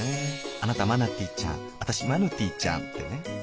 あなたマナティーちゃんわたしマヌティーちゃんってね。